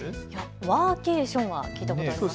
ワーケーションは聞いたことあります。